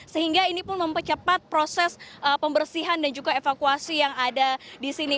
sehingga ini pun mempercepat proses pembersihan dan juga evakuasi yang ada di sini